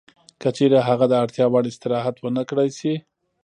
که چېرې هغه د اړتیا وړ استراحت ونه کړای شي